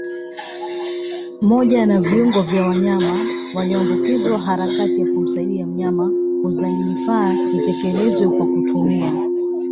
moja na viungo vya wanyama walioambukizwa Harakati ya kumsaidia mnyama kuzaainafaa itekelezwe kwa kutumia